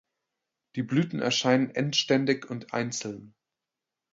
Die Blüten erscheinen endständig und einzeln.